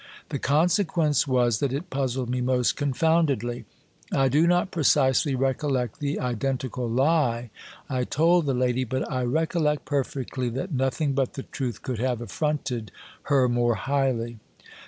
The consequence was, that it puzzled me most confoundedly. I do not precisely recollect the identical lie I told the lady, but I recollect perfectly that nothing but the truth could have affronted her more highly.